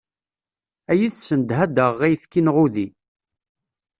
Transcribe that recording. Ad iyi-tessendeh ad d-aɣeɣ ayefki neɣ udi.